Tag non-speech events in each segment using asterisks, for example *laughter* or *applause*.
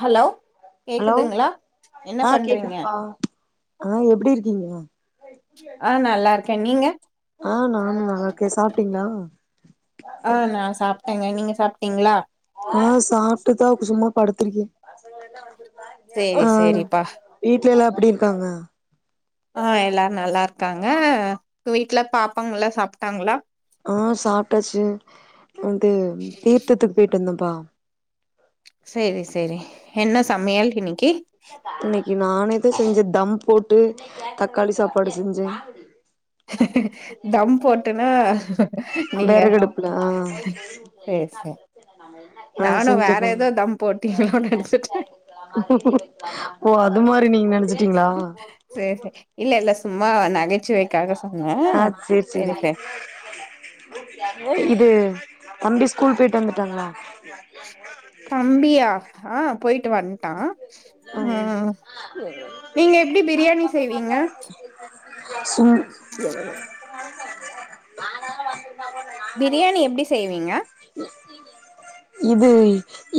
hello hello கேக்குதுங்களா என்ன ஆ பண்றீங்க கேக்குதுப்பா ஆ எப்படி இருக்கீங்க ஆ நல்லா இருக்கேன் நீங்க ஆ நானு நல்லா இருக்கே சாப்ட்டீங்களா ஆ நா சாப்பிட்டேங்க நீங்க சாப்ட்டீங்களா ஆ சாப்ட்டுதா சும்மா படுத்திருக்கே ஆ சரி சரிப்பா வீட்ல எல்லாம் எப்படி இருக்காங்க ஆ எல்லாரும் நல்லா இருக்காங்க வீட்டுல பாபப்பாங்கல்லா சாப்ட்டாங்களா ஆ சாப்ட்டாச்சு வந்து தீர்த்தத்துக்கு போயிட்டு வந்தப்பா செரி செரி என்ன சமையல் இனிக் இன்னைக்கு நானேதா செஞ்ச தம் போட்டு தக்காளி சாப்பாடு செஞ்ச தம் போட்டுனா நீங்க வேரகடுப்புல ஆ சேரி என்ன சேரி நம் நானு வேற ஏதோ தம் போட்டீங்களோனு நெனச்சுட்ட ஓ அது மாரி நீங்க நனச்சிட்டீங்களா சேரி சேரி இல்ல இல்ல சும்மா நகைச்சுவைக்காக சொன்னே ஆ செரி செரி சேரி சேரி இது தம்பி ஸ்கூல் போயிட்டு வந்துட்டாங்களா தம்பியா ஆ போயிட்டு வன்ட்டா ம் நீங்க எப்படி பிரியாணி செய்வீங்க சு பிரியாணி எப்படி செய்வீங்க இது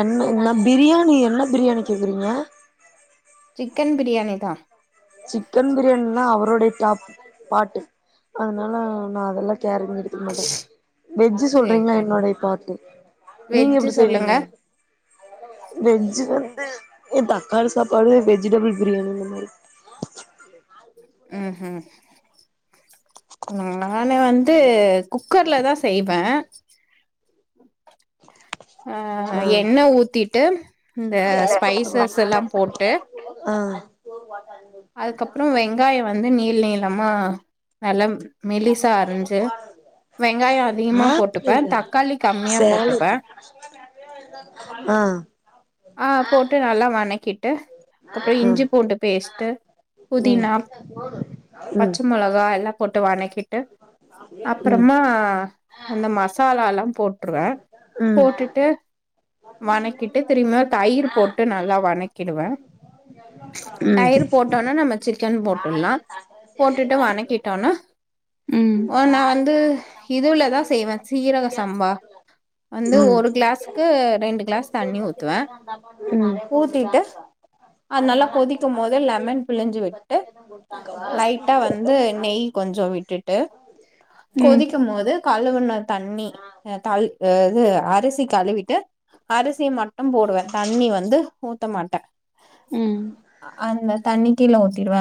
என்ன பிரியாணி என்ன பிரியாணி கேக்குறீங்க சிக்கன் பிரியாணி தா சிக்கன் பிரியாணின் தா அவருடைய டாப் பாட்டு அதனால நா அதெல்லா கேர எடுத்துக்க மாட்ட வெஜ்ஜ் சேரி சொல்றீங்களா சேரி என்னோடைய பார்ட் நீங்க வெஜ்ஜு எப்படி சொல்லுங்க செய்வீங்க வெஜ ஏ தக்காளி சாப்பாடு வெஜிடபிள் பிரியாணி இந்த மாரி ம் உஹம் நானு வந்து குக்கர்ல தா செய்வ அ ஆ என்ன ஊத்திட்டு இந்த ஸ்பைசஸ் எல்லா போட்டு போ அதுக்கப்ரோ வெங்காயம் வந்து நீள நீளமா நல்லா மிலிசா அரிஞ்சு வெங்காயோ அதிகமா ஆப்பிள் போட்டுப்ப இல்ல தக்காளி கம்மியா போட்டுப்ப சேலட் ஆ ஆ போட்டு நல்லா வணக் ட்டு அக்கப்ரோ இஞ்சி பூண்டு பேஸ்ட் உம் பச்ச மொலகா எல்லாம் போட்டு வணக்கிட்டு அப்புறமா அந்த மசாலா போட்டுருற ம் போட்டுட்டு வணக்கிட்டு திருமியு தயிர் போட்டு நல்லா வணக்கிடுவ ம் எர் போட்டோனா நம்ம சிக்கன் போட்டுலாம் போட்டுட்டு வனகிட்டோனா ம் உ நா வந்து இதுலதா செய்வ சீரக சம் வந்து ம் ஒரு கிளாஸ்க்கு ரெண்டு கிளாஸ் தண்ணி ஊத்துவ ஊத்திட்டு அதுனால கொதிக்கும் போது லெமன் புழிஞ்சு விட்டு லைட்டா வந்து நெய் கொஞ்சம் விட்டுட்டு ம் ம் கொதிக்கும் மோது கழுவுன தண்ணி தால் அ இது அரிசி கழுவிட்டு அரிசி மட்டும் போடுவ தண்ணி வந் வந்து ஊத்த மாட்ட ம் அந்த தண்ணி கீழே ஊத்திடுவ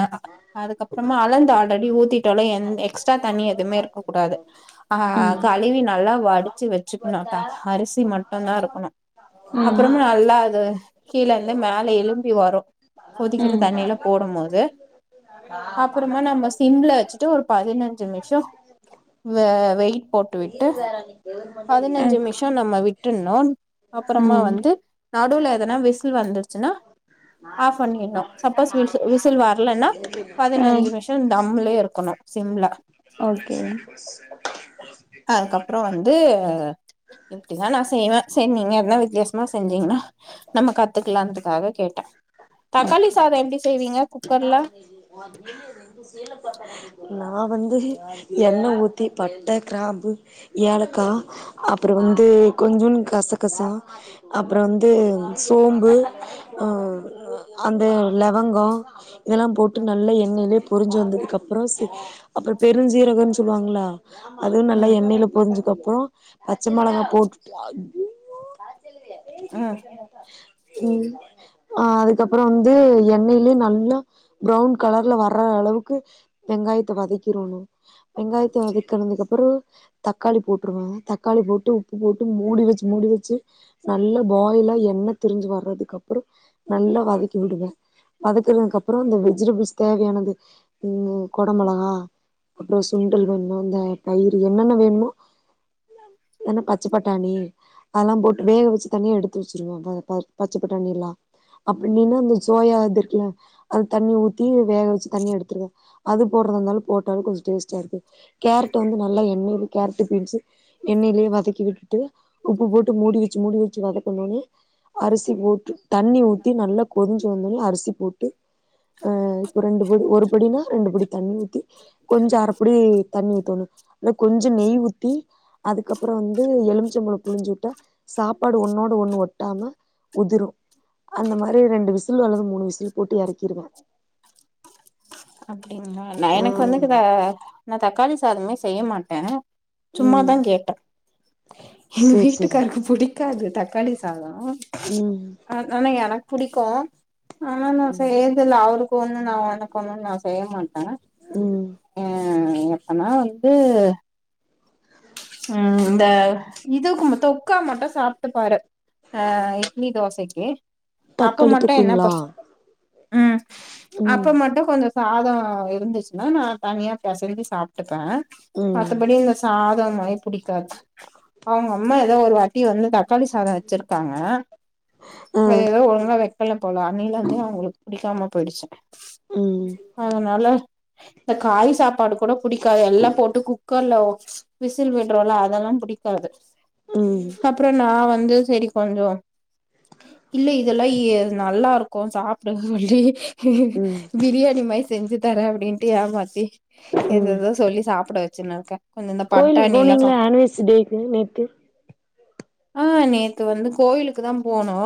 அதுக்கப்புறமா அலர்ந்து ஆல்ரெடி ஊத்திட்டோல்ல எ எக்ஸ்ட்ரா தண்ணி எ எதுவுமே இருக்கக்கூடாது ஆ ம் கழுவி நல்லா வடிச்சு வச்சுக்கனு அரிசி மட் நல்லா இருக்கணு அப்புறமா எல்லா அது கீலந்து மேல எலும்பி வரும் கொதிக்கிற தண்ணில போடும் போது அப்புறமா நம்ம சிம்ல வச்சுட்டு ஒரு பதினஞ்சு நிமிஷோ வ வெயிட் போட்டு விட்டு பதினஞ்சு ம் நிமிஷோ நம்ம விட் விட்டுன்னு அப்புறமா ம் வந்து நடுவுல எதனா விஸ் சில் வந்துடுச்சுன்னா ஆஃபண்ணிட்ணூ சப்போஸ் விசி விசில் வர் இல்லன்னா ஆ பதினஞ்சுமிஷோ தம்லே இருக்கணூ சிம்ல ஓகே ப்றோ வந்து இப்டிதா நா செய்வே சென்நீங்க எத்னா வித்தியாசமா செஞ்சீங்னா நம்ம கத்துக்கலான்துக்காக கேட்டே தக்காளி ஓகே சாதோ எப்டி செய்வீங்க குக்கர்ல ஓ ஜிம்மு ரெண்டு சே நா வந்து எண்ணெ ஊத்தி பட்ட க்ராம்பு ஏலக்கா அப் ப்றோ வந்து கொஞ்சுண்டு கசகசா அப்றோ வந்து சோம்பு அ அ அந்த லவங்கோ இதெல்லா போட்டு நல்லா எண்ணெயிலே பொரிஞ்சு வந்ததுக்கப்றோ சு அப்றோ பெருஞ்சீரகோன் சொல்லுவாங்லா அதுவூ நல்லா ம் எண்ணெயில பொரிஞ்சுக்கப்றோ பச்ச மெளகா போட் அய்யிய்யோ அ ம் ஆ அதுக்கப்றோ வந்து எண்ணெய்லே நல்லா ப்ரௌன் கலர்ல வரளவுக் க்கு வெங்காயத்த வதக்கிரணூ வெங்காயத்த வதக்கினதுக்கப்றோ தக்காளி போட்டுருவே ம் தக்காளி போட்டு உப்பு போட்டு மூடி வச்சு மூடி வச்சு நல்லா பாயிலா எண்ணெ திரிஞ்சு வர்றதுக் கப்றோ நல்லா வதக்கி விடுவே வதக்குனதுக்கப்றோ இந்த வெஜிடபிள்ஸ் தேவையானது ம் கொடமெளகா அப்றோ சுண்டல் வேண்மா இந்த பயிரு என்னென்ன வேணுமோ என்ன பச்ச பட்டாணி அத்லா போட்டு வேக வச்சு தனியா எடுத்து வெச்சிருவே ப ப பச்சப் பட்டாணி எல்லா அப்டில்லன்னா இந்த சோயா இது இருக்குல்ல அது தண்ணி ஊத்தி வேக வச்சு தனியா எடுத்துருவே அது போட்றதாந்தாலு போட்டாலு கொஞ்சோ டேஸ்டாருக்கூ கேரட் வந்து நல்லா எண்ணெயில கேரட்டு பீன்ஸு எண்ணெயிலே வதக்கி விட்டுட்டு உப்பு போட்டு மூடி வச்சு மூடி வச்சு வதக்கும்போது அரிசி போட்டு தண்ணி ஊத்தி நல்லா கொதிஞ்சு வந்தோன்னே அரிசி போட்டு அ இப்ப ரெண்டு பேரு ஒரு உடனே ரெண்டுபடி தண்ணி ஊத்தி கொஞ்சோ அரப்படி தண்ணி ஊத்தோணூ அது கொஞ்சோ நெய் ஊத்தி அதுக்கப்றோ வந்து எலுமிச்சம்பழோ புழிஞ்சுவுட்டா சாப்பாடு ஒன்னோடு ஒன்னு ஒட்டாம உதிரு அந்த மாரி ரெண்டு விசிலு அல்லது மூணு விசில் போட்டு எறக்கிருவே அப்படிங்ளா நா ஆ எனக் வந்துக்கித நா தக்காளி சாதமே செய்ய மாட்டே ம் சும்மாதா கேட்டே எங்க சேரி சேரி வீட்டுக்காருக்கு புடிக்காது தக்காளி சாதோ ம் ஆ ஆனா எனக் புடிக்கூ ஆனா நா ம் செய்யறதில்ல அவருக் கு ஒன்னு நா எனக்கு ஒன்னுன் நா செய்யமாட்டே ம் ஆ அ அப்பனா இது ம் இந்த இதுகூனு தொக்கா மட்டு சாப்ட்டு பாரு ஆ இட்லி தோசைக்கு அப்ப தக்காளி மட்டு என்ன ப தொக்குங்களா ம் ம் அப்ப மட்டு கொஞ்சோ சாதோ இருந்துச்சுனா நா தனியா பெசஞ்சி சாப்ட்டுப்பே ம் மத்தபடி இந்த ஸ் சாதோ மாய் புடிக்காது அவுங்கம்மா எதோ ஒரு வாட்டி வந்து தக் க்காளி சாதோ வச்சிருக்காங்க ஆ அது எதோ ஒழுங்கா வக் போல அன்னிலேந்தே அவுங்களுக்கு புடிக்காம போயிடுச்சி ம் அதனால த காய் சாப்பாடு கூட புடிக்காது எல்லா போட்டு குக்கர்ல ஒ விசில் விடுறோல்ல அதெல்லா புடிக்காது ம் அப்றோ நா வ ந்து செரி கொஞ்சோ இல்ல இதெல்லா எ நல்லாருக்கூ சாப்ட சொல்லி ம் பிரியாணி மாரி செஞ்சு தரே அப்டின்ட்டு ஏமாத்தி ம் எதேதோ சொல்லி சாப்ட வ சின்னுருக்கே கோயிலுக்கு போனீங்ளா ஆன்வேஸு டேக்கு நேத்து ஆ நேத்து வந்து கோயிலுக்குதா போனோ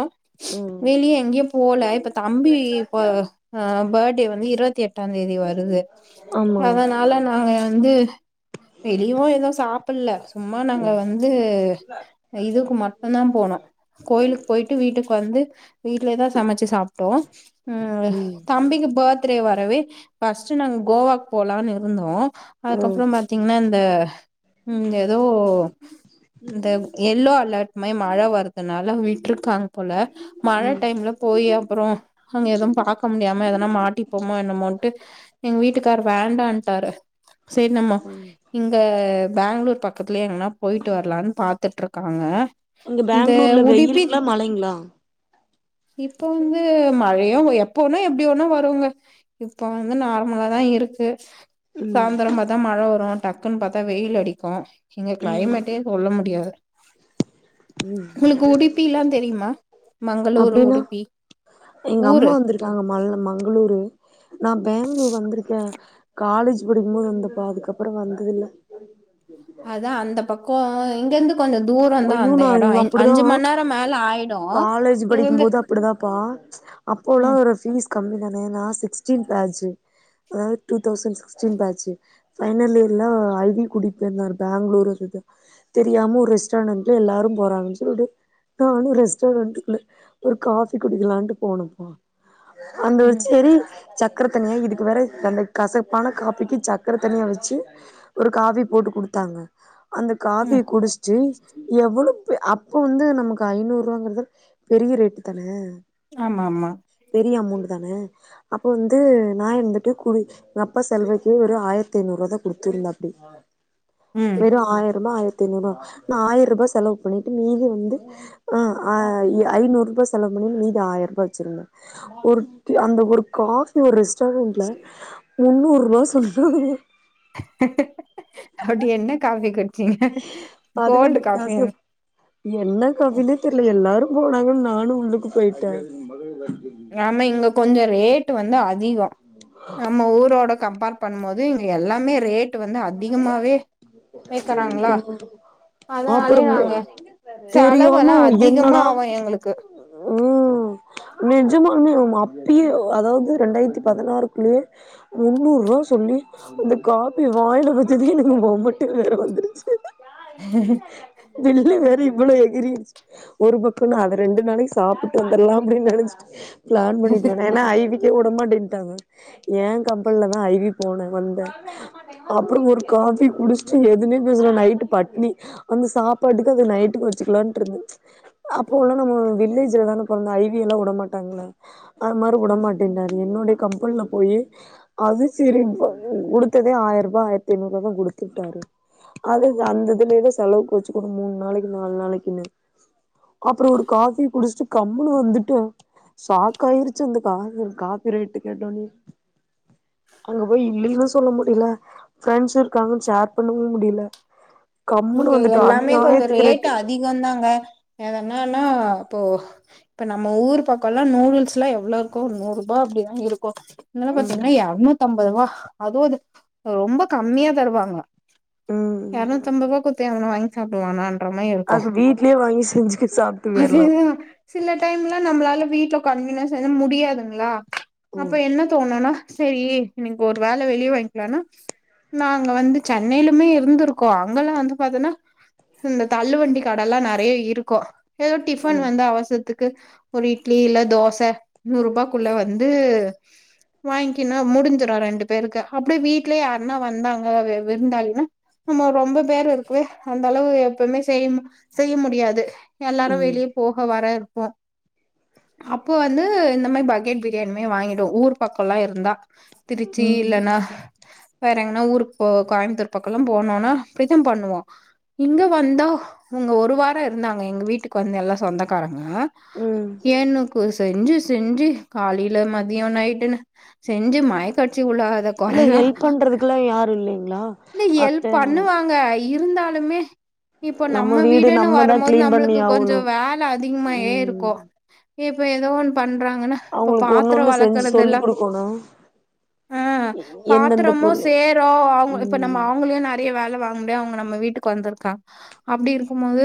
ம் வெளிய எங்கியு போல இப்ப தம்பி இப்ப ஆ பேர்த் டே வந்து இருவத்தி எட்டாந் தேதி வ ருது ஆமா அதனால நாங்க வந்து வெளியவு எதுவு சாப்பல்ல சும்மா நாங்க வந்து இதுக்கு மட்டுந்தான் போனோ கோயிலுக்கு போயிட்டு வீட்டுக்கு வந்து வீட்லயேதா சமைச்சு சாப்ட்டோ ம் தம்பிக்கு பேர் த்ரே வரவே ஃபர்ஸ்ட் நாங்க கோவாக்கு போலான்னு இருந்தோ ம் அதுக்கப்பறம் பாத் இந்த ம் எதோ இந்த எல்லோ அலர்ட் மாயி மழை வர்ரதுனால விட்டுருக்காங் போல மழை டைம்ல போயி அப்புறோ அங்க எதுவும் பாக்க முடியாம எதனா மாட்டிப்போமோ என்னமோன்ட்டு எங்க வீட்டு கார் வேண்டான்ட்டாரு சேரி நம்ம இங்க பேங்களூர் பக்கத்துலயே எங்கனா போயிட்டு வரலான்னு பாத்துட்டு இருக்காங்க அங்க பேங்களூர்ல வெயிலுங்ளா மழைங்களா இப்ப வந்து மழை யோங்கோ எப்ப வேண்ணா எப்டி வேண்ணா வருங்க இப்ப வந்து நார்மலாதா இருக்கு ம் சாந்திரமாதா மழை வரு டக்குன்னு பாத்தா வெயில் அடிக்கு இங்க கிளைமேட்டே சொல்ல முடியாது உங்களுக்கு உடுப்பி எல்லா தெரியுமா மங்களூரு அப்டின்னா உடுப்பி எங்க அம்மா ஊரு வந்திருக்காங்க மல் மங்களூரு நா பேங்களூர் வந்திருக்கே காலேஜ் படிக்கும்போது வந்தப்பா அதுக்கப்பறோ வந்தது இல்ல அதா அந்த பக்கௌ இங்கிந்து அய்யோ நா அப்படிதா மண் நேரோ மேல ஆயிடு காலேஜ் இங்கருந்து படிக்கும்போது அப்படிதாப்பா அப்போல்லா ம் ஒரு ஃபீஸ் கம்மிதானே நா சிக்ஸ்டீன் பேட்ச்சு அதாவது two thousand sixteen batch final இயர்ல ஐ வி கூட்டிட்டு போயிருந்தாரு பேங்களூர் சு து தெரியாம ஒரு ரெஸ்டாண்ட்ல எல்லாரும் போறாங்கன்னு சொல்ட்டு நானு ரெஸ்டாரண்ட்டுக்குள்ள ஒரு காஃபி குடிக்கலான்ட்டு போனப்பா அந்த ஒரு ம் செரி சக்கர தண்ணிய இதுக்கு வேற அந்த கசப்பான காபிக்கு சக்கர தண்ணிய வெச்சு ஒரு காஃபி போட் டு குடுத்தாங்க அந்த காஃபிய ம் குடிச்சிட்டு எவ் ளோ பே அப்ப வந்து நமக்கு ஐநூறு ரூவாங்கறது பெரிய ரேட்டு தான ஆமாமா பெரிய அமௌண்ட் தான அப்ப வந்து நா இருந்துட்டு குடி அப்பா செலவுக்கே வெறு ஆயிரத்தி ஐநூறு ரூவாதா குடுத் திருந்தாப்டி ம் வெறு ஆயரூபா ஆயிரத்தி ஐநூறுபா நா ஆய்ரூபா செலவு பண்ணிட்டு மீதி வந்து ஆ ஐ ஐநூறு ரூபா செலவு பண்ணிட்டு மீதி ஆயி ரூபா வெச்சிருந்த ஒரு அந்த ஒரு காஃபி ஒரு ரிஸ் டாரன்ட்ல முன்னூறு ரூவா சொல்றாங்க அப்படி என்ன காஃபி கு அதுக்கு அந்த காசு என்ன காஃவினே தெரில எல்லாரு போனாங்க நானு உள்ளுக்கு போயிட்ட ஆமா இங்க கொஞ்சோ ரேட்டு் வந்து அதிகோ நம்ம ஊரோட கம்பேர் பண்ணும்போது இங்க எல்லாமே ரேட் வந்து அதிகமாவே வைக்கிறாங்களா அதனாலே அப்புறோ நாங்க தெரியாம செலவெல்லா அதிகமா என்னடா ஆவு எங்களுக்கு ம் மீ நெஜமாங்க அப்டியே அதாவது ரெண்டாயிரத்தி பதினாறுக்குள்ளயே முன்னூறு ரூவா சொல்லி அந்த காஃபிய வாயில வெச்சதுயே எனக்கு ஓமட்டு வேற வந்துருச்சு ஹ *inaudible* பில்லு வேற இவ்ளோ எகிரிருச்சு ஒரு பக்கோன்னா அத ரெண்டு நாளைக்கு சாப்பிட்டு வந்துர்லா அப்டின்னு நெனச்சிட்டு பிளான் பண்ணிட்டு ஏனா ஐ வி க்கே வுடமாட்டேன்ட்டாங்க ஏன் கம்பெனிலதா ஐ வி போன வந்த அப்பறோ ஒரு காஃபி குடுஸ்ட்டு எதுமே பேசல நைட்டு பட்னி அந்த சாப்பாட்டுக்கு அது நைட் டுக்கு வச்சுக்கலான்ட்டு இருந்து அப்போல்லா நம்ம வில்லேஜ்லதான பொறந்தோ ஐ வியலா விடமாட்டாங்கள அது மாரி வுடமாட்டேன்றாரு என்னுடைய கம்பல்ல போய் அது சரி *unintelligible* த்ததே ஆயருபா ஆயரத்தி ஐநூறுபா தா குடுத்து விட்டாரு அது அந்த இதுலதா செலவுக்கு வச்சுக்கணு மூண் நாளைக்கு நால் நாளைக்குனு அப்பறோ ஒரு காஃபி குடுஸ்ட்டு கம்முனு வந்துட்டோ சாக்காயிருச்சு அந்தக்க காஃபி காஃபி ரேட்டு கேட்டோனே அங்க போய் இல்லேன்னு சொல்ல முடில ஃப்ரெண்ட்ஸ் இருக்காங்கன்னு ஷேர் பண்ணவு முடில இங்க எல்லாமே கொஞ்சோ ரேட் அதிகோ தாங்க எதன்னா னா இப்போ இப்ப நம்ம ஊர் பக்கோலா நூடுல்ஸ்ல்லா எவ்ளோ இருக்கு நூர் ருபா அப்டிதா இருக்கு இங்கல்லா ம் பாத்தீங்கன்னா இரநூத்தம்பத் ருவா அதுவு அது ரொம்ப கம்மியா தருவாங்க ம் உங்களுக்கு தேவயான வாங்கி சாப்டுவானான் *unintelligible* இருக்கு அது வீட்லயே வாங்கி செஞ்சுக்க சாப்ட்டு போயிரலா அதேதா சில டைம்ல நம்மளால வீ ட்ல கன்வீனியன்ஸ் *unintelligible* முடியாதுங்ளா அப்ப ம் என்ன தோணுனா செரி இன்னக்கி ஒரு வேல வெளிய வாங்கிலானா நாங்க வந்து சென்னையிலுமே இருந்திருக் கோ அங்கல்லா வந்து பாத்தன்னா இந்த தள்ளு வண்டி கடல்லா நெறைய இருக்கு ஏதோ டிஃபன் ம் வந்த அவசரத்துக் கு ஒரு இட்லி இல்ல தோச நூறு ரூபாக்குள்ள வந்து வாங்கின்னா முடுஞ்சுரு ரெண்டு பேருக்கு அப்டியே வீட்லயே யாருன்னா வந்தாங்க வவ விருந்தாளின்னா நம்ம ரொம்ப பேரு இருக்கு அந்த அளவு எப்பமே செய்ய செய்ய முடியாது எல்லாரு ம் வெளிய போக வர போ அப்ப வந்து இந்த மாரி பக்கெட் பிரியாணியுமே வாங்கிடு ஊர் பக்கோல்லா இருந்தா திருச்சி ம் இல்லன்னா வேற எங்கன்னா ஊருக்கு போக கோயமுத்தூர் பக்கோலா போனோனா அப்டித்தா பண்ணுவோ இங்க வந்தா இவ்ங்க ஒரு வாரோ இருந்தாங்க எங்க வீட்டுக்கு வந்த எ ல்லா சொந்தக்காரங்க ம் ஏன்னுகோஸ் செஞ்சு செஞ்சு காலேல மதியோ நைட்டுன்னு செஞ்சு மயக்க கடுச்சு உளுகாத இல்ல கொறதா ஹெல்ப் பண்றதுக்குல்லா யாரு இல்லைங்களா இல்ல ஹெல்ப் அத்த பண்ணுவாங்க இருந்தாலுமே இப்போ நம்ம வீடு வீடுனு நம்மதா வரும்போது கிளீன் பண்ணி நம்மளுக்கு கொஞ்சோ ஆவணு வேல அதிகமாயே ம் இருக்கு இப்ப ஏதோ ஒண்ணு பண்றாங்கன்னா இப்ப அவங்களுக்கு ஒண்ணு பாத்ரோ ஒண்ணு செஞ்சு சொல்லி வெளக்கறதல்லா குடுக்கணு அ எந்தெந்த பாத்தரமு பொருள் சேறு அவுங்க இப்ப நம்ம ம் அவுங்களயு நெறை ய வேல வாங்க முடியாது அவுங்க நம்ம வீட்டுக்கு வந்திருக்காங் அப்டி இருக்கும் போது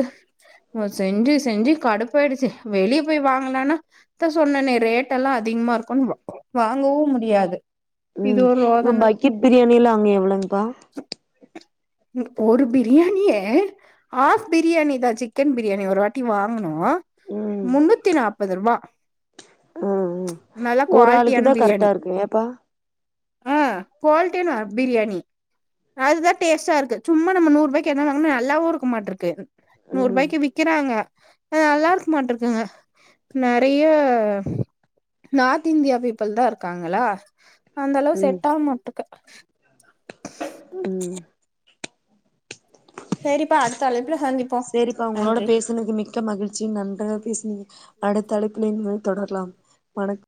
வ செஞ்சு செஞ்சு கடுப்பாய்டுச்சு வெளிய போய் வாங்கலானா அதா சொன்னனே ரேட்டல்லா அதி அதிகமா இருக்குனு வாங்கவு முடியாது இது ம் ஒரு இப்ப ரோதன பக்கெட் பிரியாணில்லா அங்க எவ்ளோங்ப்பா ஒரு பிரியாணியே ஹாஃப் பிரியாணி தா சிக்கன் பிரியாணி ஒரு வாட்டி வாங்குனோ ம் முன்னூத்தி நாப்பது ருவா ம் ம் நல்ல ஒரு ஆளுக்கு குவாலிட்டியான தா பிரியாணி கரெக்டா இருக்கு ஏப்பா ஆ குவாலிட்டியான பிரியாணி அதுதா டேஸ்ட்டா இருக்கு சும்மா நம்ம நூர்ருபாய்க்கு எதுனா வாங்குனா நல்லாவு இருக்க மாட்ருக்கு ம் நூர்ருபாய்க்கு விக்கிறாங்க அ நல்லா இருக்க மாட்ருக்குங்க நெறைய நார்த் இந்தியா பீப்பிள் தா இருக்காங்களா அந்த அளவு ம் செட் ஆக மாட்டுக்கு ம் சேரிப்பா அடுத்த அழைப்புல சந்திப்போ சேரிப்பா ஒங்களோட நன்றி பேசுனதுக்கு மிக்க மகிழ்ச்சி நன்றாக பேசுனீங்க அடுத்த அழைப்புலயு ம தொடரலாம் வணக்